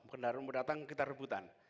kendaraan mau datang kita rebutan